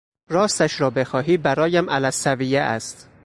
راستش را بخواهی برایم علی السویه است.